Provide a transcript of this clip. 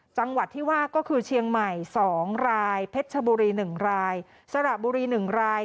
จังหวัดที่ว่าก็คือเชียงใหม่๒รายเพชรชบุรี๑รายสระบุรี๑ราย